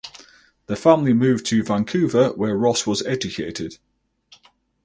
The family moved to Vancouver where Ross was educated.